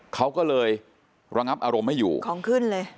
เขาก็เลยระงับอารมณ์ไม่อยู่ของขึ้นเลย